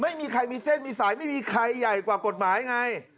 ไม่มีใครมีเส้นมีสายไม่มีใครใหญ่กว่ากฎหมายไง